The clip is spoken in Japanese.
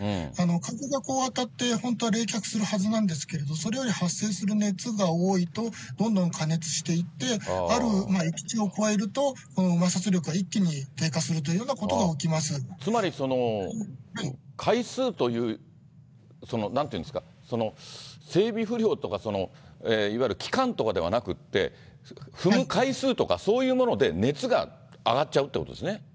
風が当たって、本当は冷却するはずなんですけれども、それより発生する熱が多いと、どんどん過熱していって、あるいき値を超えると、摩擦力が一気に低下するということが起きつまり、回数という、なんていうんですか、整備不良とか、いわゆる期間とかではなくて、踏む回数とか、そういうもので熱が上がっちゃうということですね。